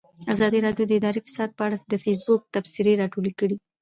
ازادي راډیو د اداري فساد په اړه د فیسبوک تبصرې راټولې کړي.